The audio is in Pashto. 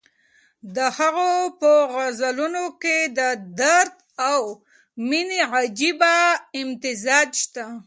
د هغه په غزلونو کې د درد او مېنې عجیبه امتزاج شته.